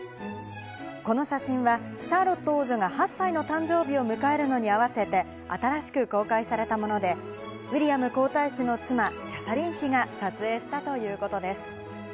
この写真はシャーロット王女が８歳の誕生日を迎えるのにあわせて新しく公開されたもので、ウィリアム皇太子の妻・キャサリン妃が撮影したということです。